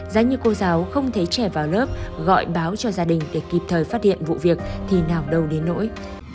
giá như cô giáo không thấy trẻ vào lớp gọi báo cho gia đình để kịp thời phát hiện vụ việc thì nào đâu đến nỗi